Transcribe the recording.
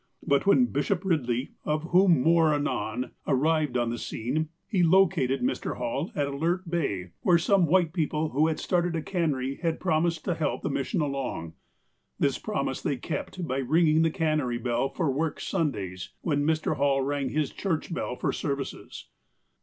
But when Bishop Eidley, of whom more NOTABLE VISITORS 249 anon, arrived on the scene, he located Mr. Hall at Alert Bay, where some white people who had started a cannery had promised to help the mission along. This promise they kept by ringing the cannery bell for work Sundays, when Mr. Hall rang his church bell for services.